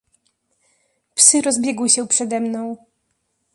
"Psy rozbiegły się przede mną."